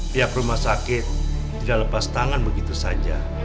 pihak rumah sakit tidak lepas tangan begitu saja